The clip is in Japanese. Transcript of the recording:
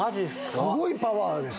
すごいパワーですね。